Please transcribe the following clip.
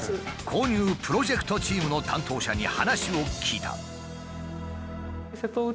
購入プロジェクトチームの担当者に話を聞いた。